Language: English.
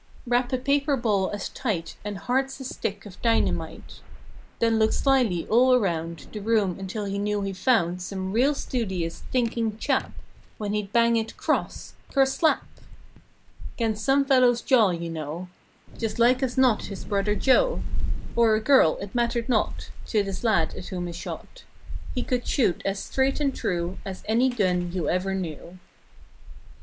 Wrap a paper ball as tight And hard's a stick of dynamite— Then look slyly all around The room until he knew he found Some real studious, thinking chap When he'd bang it 'cross—kerslap! 'Gainst some fellow's jaw you know— Just like as not his brother Joe; Or a girl, it mattered not To this lad at whom he shot. He could shoot as straight and true As any gun you 'ever knew.